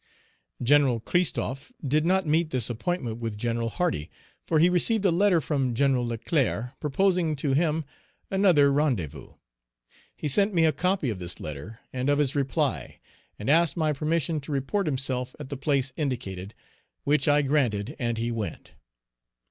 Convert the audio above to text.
Gen. Christophe did not meet this appointment with Gen. Hardy, for he received a letter from Gen. Leclerc, proposing to him another rendezvous. He sent me a copy of this letter and of his reply, and asked my permission to report himself at the place indicated; which I granted, and he went.